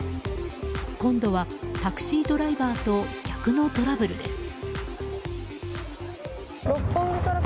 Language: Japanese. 今度はタクシードライバーと客のトラブルです。